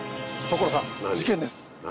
所さん事件です！